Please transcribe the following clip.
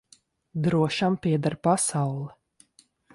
Drošam pieder pasaule.